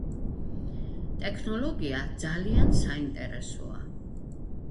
ტექნოლოგია ძალიან საინტერესოა